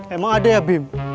emang ada ya bim